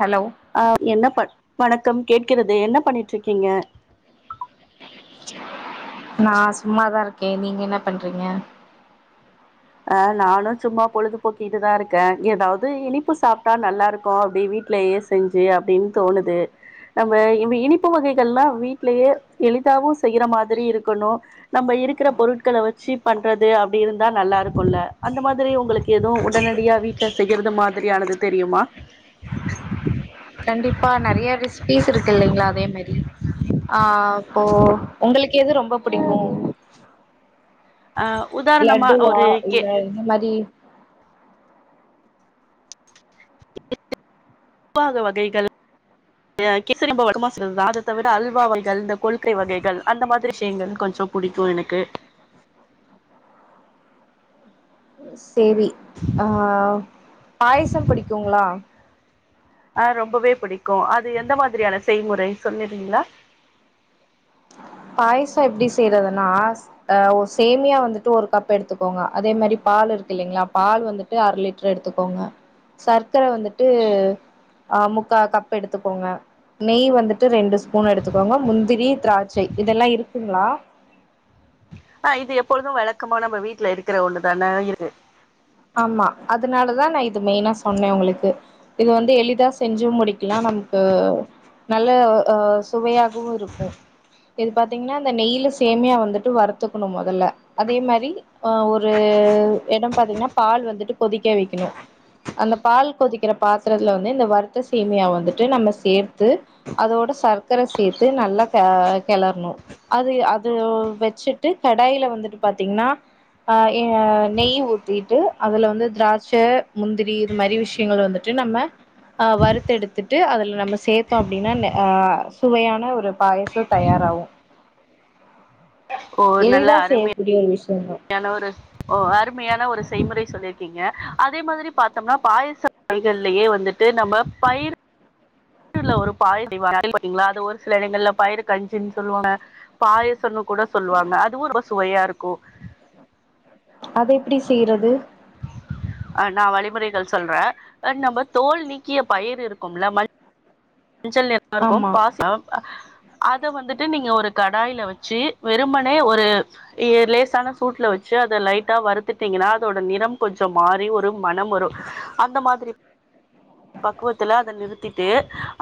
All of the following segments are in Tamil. ஹலோ ஆஹ் என்ன ப வணக்கம் கேட்கிறது என்ன பண்ணிட்டு இருக்கீங்க நான் சும்மாதான் இருக்கேன் நீங்க என்ன பண்றீங்க அஹ் நானும் சும்மா பொழுதுபோக்கிட்டுதான் இருக்கேன் ஏதாவது இனிப்பு சாப்பிட்டா நல்லா இருக்கும் அப்படி வீட்லேயே செஞ்சு அப்படின்னு தோணுது நம்ம இனிப்பு வகைகள் எல்லாம் வீட்லேயே எளிதாவும் செய்யற மாதிரி இருக்கணும் நம்ம இருக்கிற பொருட்களை வச்சு பண்றது அப்படி இருந்தா நல்லா இருக்கும் உல்ல அந்த மாதிரி உங்களுக்கு எதுவு உடனடியா வீட்ல செய்யறது மாதிரியானது தெரியுமா கண்டிப்பா நெறைய ரெசிபீஸ் இருக்கு இல்லைங்களா அதே மாதிரி ஆஹ் ஓ உங்களுக்கு ஏது ரொம்ப பிடிக்கும் ஆ உதாரணமா லட்டுவா ஒரு கே இல்ல இந்த மாதிரி உவாக வகைகள் கேசரி நம்ம வழக்கமா செய்றதுதான் அத தவிர அல்வாவைகள் இந்த கொல்கை வகைகள் அந்த மாதிரி விஷயங்கள் கொஞ்சம் பிடிக்கும் எனக்கு சேரி ஹ பாயசம் பிடிக்குங்களா ஆ ரொம்பவே பிடிக்கும் அது எந்த மாதிரியான செய்முறை சொல்லிருங்களா பாயசம் எப்படி செய்யறதுன்னா அஹ் சேமியா வந்துட்டு ஒரு கப் எடுத்துக்கோங்க அதே மாதிரி பால் இருக்கு இல்லைங்களா பால் வந்துட்டு அரை லிட்டர் எடுத்துக்கோங்க சர்க்கரை வந்துட்டு அஹ் முக்கா கப் எடுத்துக்கோங்க நெய் வந்துட்டு ரெண்டு ஸ்பூன் எடுத்துக்கோங்க முந்திரி திராட்சை இதெல்லாம் இருக்குங்களா ஆஹ் இது எப்பொழுதும் வழக்கமா நம்ம வீட்டுல இருக்கிற ஒண்ணுதானே இது ஆமா அதனாலதான் நான் இது மெய்னா சொன்னேன் உங்களுக்கு இது வந்து எளிதா செஞ்சு முடிக்கலாம் நமக்கு நல்ல அஹ் சுவையாகவும் இருக்கும் இது பாத்தீங்கன்னா இந்த நெய்ல செமையா வந்துட்டு வரத்துக்கணும் முதல்ல அதே மாதிரி ஆஹ் ஒரு இடம் பாத்தீங்கன்னா பால் வந்துட்டு கொதிக்க வைக்கணும் அந்த பால் கொதிக்கிற பாத்திரத்துல வந்து இந்த வருத்த சேமியா வந்துட்டு நம்ம சேர்த்து அதோட சர்க்கரை சேர்த்து நல்லா கிளறணும் அது அது வச்சுட்டு கடாயில வந்துட்டு பார்த்தீங்கன்னா அஹ் நெய் ஊற்றிட்டு போட்டு அதுல வந்து திராட்சை முந்திரி இது மாதிரி விஷயங்கள் வந்துட்டு நம்ம அஹ் வருத்து எடுத்துட்டு அதுல நம்ம சேர்த்தோம் அப்படின்னா ஆஹ் சுவையான ஒரு பாயசம் தயாராகும் எளிதா செய்யக்கடிய ஒரு விஷயம் யான ஒரு ஓ அருமையான ஒருஸ் செய்முறை சொல்லியிருக்கீங்க அதே மாதிரி பாத்தோம்னா பாயசத்துலயே வந்துட்டு நம்ம பயிர வல ஒரு பாய செய்வாங்க பாத்திங்களா அது ஒரு சில இடங்கள்ல பயிரு கஞ்சன்னு சொல்லுவாங்க பாயசொன்னு கூட சொல்லுவாங்க அதுவும் சுவையா இருக்கும் அத எப்படி செய்யறது ஆ நா வழிமுறைகள் சொல்ற நம்ம தோல் நீக்கிய பயிர் இருக்கும்ல மல் மஞ்சள் எல்லா இருக்கும் ஆமா பாச அத வந்துட்டு நீங்க ஒரு கடாயில வச்சு வெறும்மனே ஒரு லேசான சூட்ல வச்சு அத லைட்டா வறுத்துட்டீங்கன்னா அதோட நிறம் கொஞ்சம் மாறி ஒரு மனம் வரும் அந்த மாதிரி பக்குவத்துல அத நிறுத்திட்டு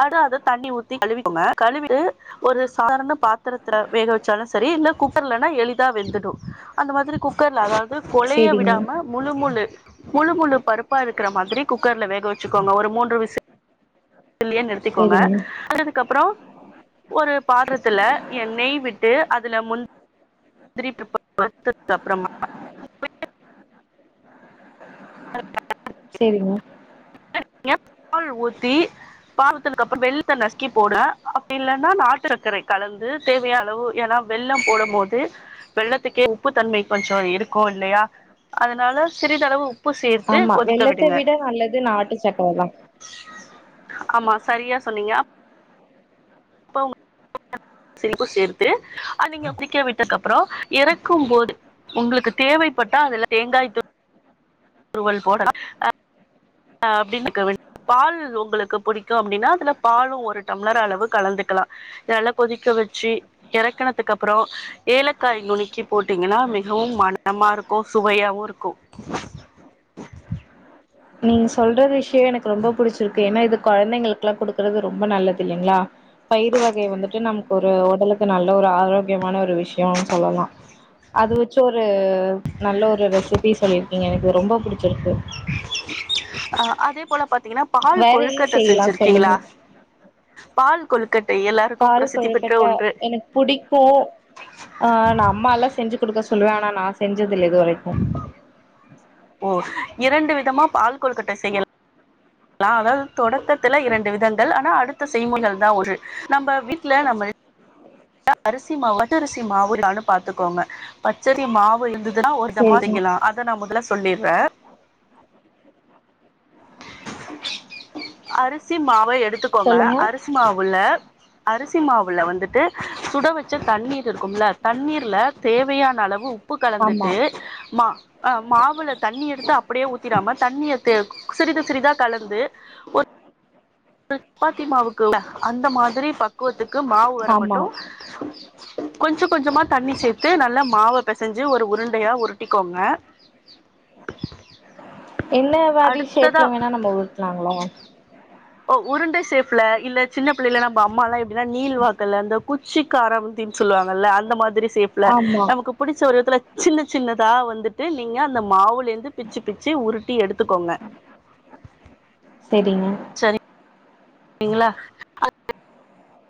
அது அதை தண்ணி ஊத்தி கழுவிக்கோங்க கழுவிட்டு ஒரு சாதாரண பாத்திரத்துல வேக வச்சாலும் செரி இல்ல குக்கர்லனா எளிதா வெந்துடும் அந்த மாதிரி குக்கர்ல அதாவ ப்பு கொலைய செரிங்க விடாம முழு முழு முழு முழு பருப்பா இருக்குற மாதிரி குக்கர்ல வேக வெச்சுக்கோங்க ஒரு மூன்று விசில் ல்லன்னு நிறுத்திக்கோங்க செரிங்க அது அதுக்கு அப்புறம் ஒரு பாத்துரத்துல என் நெய் விட்டு அதுல முந் [inaudible] அப்புறமா [inaudible] சேரிங்க பால் ஊத்தி பாகுத்துக்கு அப்புறம் வெல்லத்தை நசுக்கி போடுவோம் அப்படி இல்லைன்னா நாட்டுசக்கரை கலந்து தேவையான அளவு ஏன்னா வெல்லம் போடும் போது வெல்லத்துக்கே உப்பு தன்மை கொஞ்சம் இருக்கும் இல்லையா அதனால சிறிதளவு சேர்த்து ஆமா கொதிக்க வெல்லத்தை விடுங்க விட நல்லது நாட்டு சக்க போல ஆமா சரியா சொன்னீங்கப்ப ச சேர்த்து அது நீங்க முடிக்க விட்டதுக்கு அப்புறம் இறக்கும் போது உங்களுக்கு தேவைப்பட்டா அதுல தேங்காய் து ஒரு ஹோட்டல்னா அஹ் அப்படின்னு இருக்க வேண் பால் உங்களுக்கு பிடிக்கும் அப்படின்னா அதுல பாலும் ஒரு டம்ளர் அளவு கலந்துக்கலாம் இதல்ல கொதிக்க வச்சு இறக்கனத்துக்கு அப்புறம் ஏலக்காய் நுணுக்கி போட்டீங்கன்னா மிகவும் மனமா இருக்கும் சுவையாவும் இருக்கும் நீ சொல்ற விஷியோ எனக் ரொம்ப புடிச்சிருக்கு ஏன்னா இது கொழந்தைங்களுக்குல்லா குடுக்குறது ரொம்ப நல்லதில்லைங்களா பயிறு வகை வந்துட்டு நமக் ஒரு உடலுக்கு நல்ல ஒரு ஆரோக்கியமான ஒரு விஷியோன்னு சொல்லலா அது வச்சு ஒரு நல்ல ஒரு ரெசிபி சொல்லிருக்கீங்க எனக்கு ரொம்ப புடிச்சிருக்கு ஆ அதே போல பாத் வேற என்ன செய்யலா சொல்லுங்க பால் கொழுக்கட்டை எல்லாருக்கு பால் பிரசித்தி பெற்ற கொழுக்கட்ட ஒன்று எனக்கு புடிக்கு ஆ நா அம்மால்ல செஞ்சு குடுக்க சொல்லுவே ஆனா நா செஞ்சது போ இரண்டு விதமா பால் கொழுக்கட்டை செய்யல் நா அதாவது தொடக்கத்துல இரண்டு விதங்கள் ஆனா அடுத்த செய்முறைகள்தா ஒரு நம்ப வீட்ல நம்ம [inaudible] அரிசி மாவு [inaudible] மாவு இருக்கானு பாத்துக்கோங்க பச்சரிசி மாவுலருந்து இதுனா ஒருவிதமா சேரிங்க செய்யலா அத நா மொதல்ல செ சொல்லிர்ற அரிசி ம் மாவ எடுத்துக்கோங்க சொல்லுங்க அரிசி மாவுல அரிசி மாவுல வந்துட்டு சுட வெச்ச தண்ணீர் இருக்கும்ல தண்ணீர்ல தேவையான அளவு உ உப்பு ஆமா கலந்துட்டு மா அ மாவுல தண்ணி எடுத்து அப்டியே ஊத்திடாம தண்ணிய தெ சிறிது [unintelligible] ட்டிதா கலந்து ஒர் [inaudible] சப்பாத்தி மாவிருக்குல்ல அந்த மாதிரி பக்குவத்துக் க்கு மாவு ஆமா வரமட்டு கொஞ்ச கொஞ்சமா தண்ணி சேத்து நல்லா மாவ பெசஞ்சு ஒரு உருண் உருண்டையா உருட்டிக்கோங்க என்ன மாரி அடுத்ததா ஷேப்ல வேணா நம்ம உருட்லாங்ளா ஒ உருண்ட சேப்ல இல்ல சின்ன பிள்ளைலல நம்ம அம்மாலா எப்டினா நீள் வாக்குல அந்த குச்சிக்காரவந்தினு சொல்லுவாங்கல்ல அந்த மாதிரி சேப்ல ஆமா நமக்கு புடிச்ச ஒரு எடத்துல சின்ன சின்னதா வந்துட்டு நீங்க அந்த மாவுல் லிருந்து பிச்சி பிச்சி உருட் ட்டி எடுத்துக்கோங்க செரிங்க ங்களா [inaudible]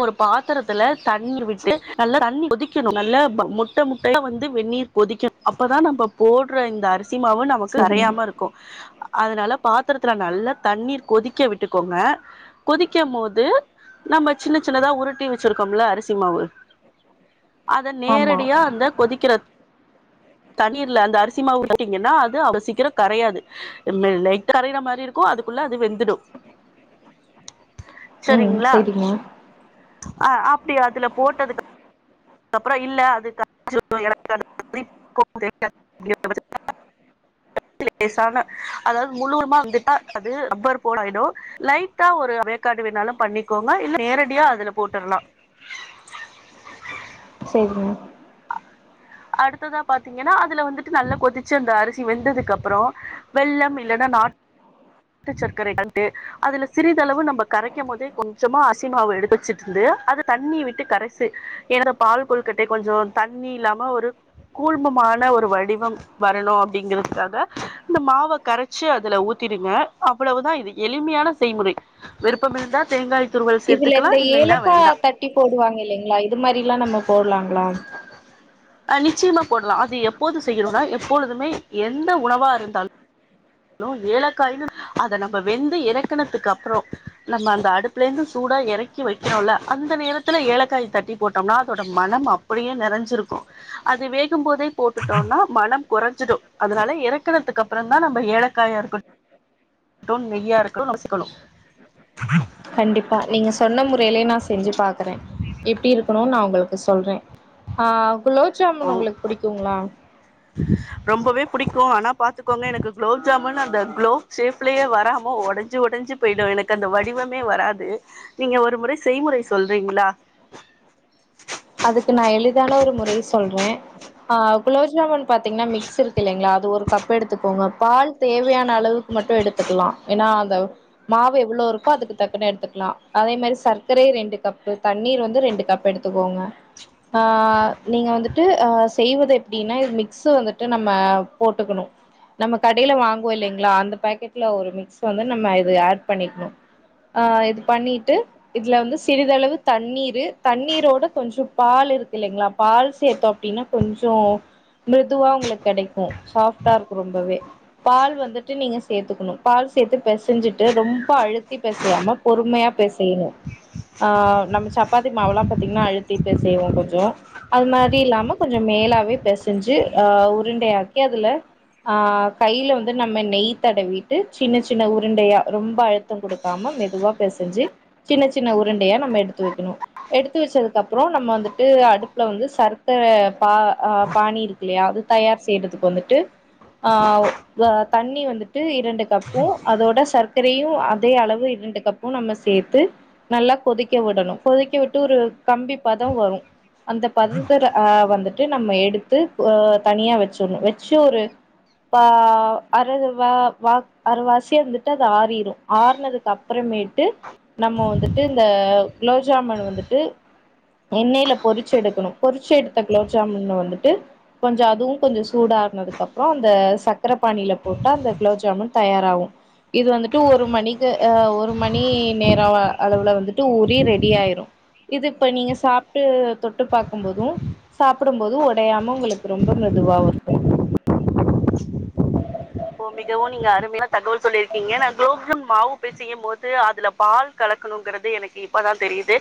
ஒரு பாத்தரத்துல தண்ணீர் விட்டு நல்லா தண்ணீர் கொதிக்கணு நல்லா முட்ட முட்டையா வந்து வெந்நீர் கொதிக்கணு அப்பதா நம்ம போடுற இந்த அரிசி சி மாவு நமக்கு செரிங்க கரையாம இருக்கு அதனால பாத்தரத்துல நல்லா தண்ணீர் கொதிக்க விட்டுக்கோங்க கொதிக்குமோது நம்ம சின்ன சின்னதா உருட்டி வச்சிருக்கோம்ல அரிசி மாவு அத ஆமா நேரடியா அந்த கொதிக்கிற தண்ணீர்ல அந்த அரிசி மாவு விட்டீங்கன்னா அது அவ்ளோ சீக்கிர கரையாது ம லைட்டா கரையிற மாதிரி இருக்கும் அதுக்குள்ள அது வெந்துடு ம் சரிங்களா சேரிங்க ஆ அப்டி அதுல போட்டதுக் [inaudible] சேரிங்க அடுத்ததா பாத்தீங்கன்னா அதுல வந்துட்டு நல்லா கொதிச்சி அந்த அரிசி வெந்ததுக்கப்புறம் வெள்ளம் இல்லன்னா நாட்டு சர்க்கரை [unintelligible] அதுல சிறிதளவு நம்ம கரைக்கும் போதே கொஞ்சமா அசிமாவு எடு வச்சுட்டுந்து அத தண்ணி விட்டு கரசு என்னோட பால் கொள்கட்டை கொஞ்சம் தண்ணி இல்லாம ஒரு கூழ்மமான ஒரு வடிவம் வரணும் அப்படிங்கிறதுக்காக இந்த மாவ கரச்சி அதுல ஊத்திடுங்க அவ்வளவுதான் இது எளிமையான செய்முறை விருப்பம் இருந்தா செய்ங்க இதுல இந்த ஏலக்கா தட்டி போடுவாங்க இல்லைங்ளா இது மாரி லா நம்ம போட்லாங்ளா அ நிச்சயமா போடலாம் அது எப்போது செய்யணும்னா எப்பொழுதுமே எந்த உணவா இருந்தாலும் ன்னு ஏலக்காயு அத நம்ம வெந்து இறக்குனத்துக்கு அப்புறம் நம்ம அந்த அடுப்புல இருந்து சூடா ஏறக்கி வைக்கிரொல அந்த நேரத்துல ஏலக்காயே தட்டி போட்டோம்னா அதோட மனம் அப்டியே நெறஞ்சிருக்கும் அது வேகும் போதே போட்டுட்டோம்னா மனம் குறைஞ்சிடும் அதனால இறக்குனத்துக்கு அப்புறம் தான் நம் ம்ப ஏழக்காய இருக்கு [unintelligible] கண்டிப்பா நீங்க சொன்ன முறையிலே நான் செஞ்சு பாக்குறே எப்டி இருக்கணும் நான் உங்களுக்கு சொல்றேன் ஆ குலோ ஜாமுன் ஓ உங்களுக்கு புடிக்குங்ளா பிடிக்கும் ஆனா பாத்துக்கோங்க எனக்கு குலோப் ஜாமுன் அந்த குலோப் ஷேப்புலேயே வராம ஒடன்ஜி ஒடன்ஜி போயிடும் எனக்கு அந்த வடிவமே வராது நீங்க ஒரு முறை செய்முறை சொல்றீங்ளா அதுக்கு நான் எளிதான ஒரு முறய சொல்றேன் ஆ குலோப்ஜாமுன் பாத்தீங்ன்னா மிக்ஸ் இருக்கு இல்லைங்களா அது ஒரு கப் எடுத்துக்கோங்க பால் தேவையான அளவுக்கு மட்டும் எடுத்துக்கலாம் ஏன்னா அந்த மாவு எவ்வளவு இருக்கோ அதுக்கு தக்குன்னு எடுத்துக்கலாம் அதே மாரி சர்க்கரை ரெண்டு கப்பு தண்ணீர் வந்து ரெண்டு கப் எடுத்துக்கோங்க ஆ நீங்க வந்துட்டு ஆ செய்வது எப்டின்னா இது மிக்ஸ் வந்துட்டு நம்ம போட்டுகுனும் நம்ம கடையில வாங்குவோம் இல்லைங்களா அந்த பேக்கெட்ல ஒரு மிக்ஸ் வந்து நம்ம இது ஆட் பண்ணிக்கணும் ஆ இது பண்ணிட்டு இதுல வந்து சிறிதளவு தண்ணீர் தண்ணீரோட கொஞ்சம் பால் இருக்கு இல்லைங்ளா பால் சேத்தோம் அப்டின்னா கொஞ்சம் மிதுவா உங்ளுக்கு கிடைக்கும் சாஃப்ட்டா இருக்கு ரொம்பவே பால் வந்துட்டு நீங்க சேத்துக்கணும் பால் சேத்து பேசஞ்சிட்டு ரொம்ப அழுத்தி பெசயாம பொறுமையா பெசயணும் ஆ நம்ம சப்பாத்தி மாவுல்லா பாத்தீங்ன்னா அழுத் [unintelligible] செய்வோம் கொஞ்சம் அது மாதி இல்லாம கொஞ்சம் மேலாவே பேசஞ்சு ஆ உருண்டையாக்கி அதுல ஆ கையில வந்து நம்ம நெய் தடவிட்டு சின்ன சின்ன உருண்டையா ரொம்ப அழுத்தம் குடுக்காம மெதுவா பேசஞ்சு சின்ன சின்ன உருண்டையா நம்ம எடுத்து வைக்கணும் எடுத்து வச்சது அப்புறம் நம்ம வந்துட்டு அடுப்புல வந்து சர்க்கர பா ஹ பாணி இருக்கில்லையா அது தயார் செய்றதுக்கு வந்துட்டு ஆ அ தண்ணி வந்து டு இரண்டு கப்பும் அதோட சர்க்கரையும் அத் அதே அளவு இரண்டு கப்பும் நம்ம சேர்த்து நல்லா கொதிக்க விடணும் கொதிக்க விட்டு ஒரு கம்பி பதம் வரும் அந்த பந்தர ஆ வந்து த்து நம்ம எடுத்து ஓ தனியா வச்சணும் வச்சு ஒரு அஹ் அரவர் வா அறவாசி வந்துட்டு அது ஆறிரும் ஆர்னதுக்கு அப்புறமேட்டு நம்ம வந்துட்டு இந்த குலோஜமுன் வந்துட்டு எண்ணெயில பொறிச்சு எடுக்கணும் பொறிச்சு எடுத்த குளோர்ஜாமுன் வந்துட்டு கொஞ்சம் அதுவும் கொஞ்சம் சூடா ஆருனதுக்கு அப்புறம் அந்த சக்கரை பானியில போட்டு அந்த குளோஜாமுன் தயாராகும் இது வந்துட்டு ஒரு ரு மணிக்கு ஆ ஒரு மணி நேரம் அளவுல வந்து வந்துட்டு உறி ரெடி ஆயிரும் இது இப்ப நீங்க சாப்டு தொட்டு பாக்கும்போதும் சாப்பிடும் போதும் ஒடையாம உங்ளுக்கு ரொம்ப மெதுவா இருக்கும் இப்ப மிகவும் நீங்க அருமையா தகவல் சொல்லியிருக்கீங்க நான் க்லோப்ஜாமூன் மாவு செய்யும் போது அதுல பால் கலக்கணும்ங்கிறது எனக்கு இப்பதான் தெரியுது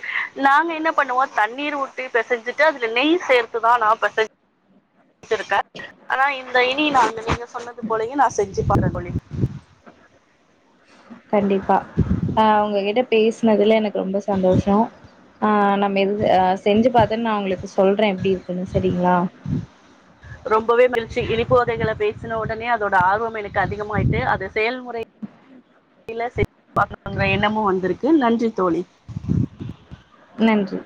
நாங்க என்ன பண்ணுவோ தண்ணீர் ஊத்தி பேசஞ்சிட்டு அதுல நெய் சேர்த்துதான் நா பெசன்ஞ் செஞ்சிருக்கேன் ஆனா இந்த இனி நாங்க நீங்க சொன்னது போலயும் நான் செஞ்சி [unintelligible] போலி கண்டிப்பா ஆ உங்ககிட்ட பேசினதுல எனக்க ரொம்ப சந்தோஷம் ஆ நம்ம [unintelligible] அ செஞ்சு பாத்தன்னு நான் உங்ளுக்கு சொல்றேன் எப்டி இருக்குன்னு சரி டிங்ளா ரொம்பவே மகிழ்ச்சி இனிப்பு வகைகள பேசின உடனே அதோட ஆர்வம் எனக்கு அதிகமாயிட்டு அது செயல்முறைல செஞ்சு பாக்கணுன்ற எண்ணமு வந்திருக்கு நன்றி தோழி நன்றி